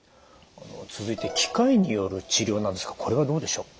続いて機械による治療なんですがこれはどうでしょう？